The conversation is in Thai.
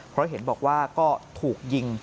เพราะเห็นบอกว่าก็ถูกยิง